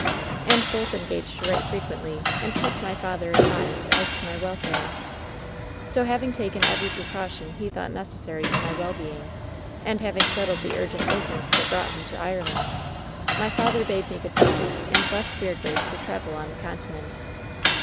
And both engaged to write frequently and keep my father advised as to my welfare. "So, having taken every precaution he thought neces sary to my well being, and having settled the urgent business that brought him to Ireland, my father bade me good by, and left Weirdwaste to travel on the Con tinent.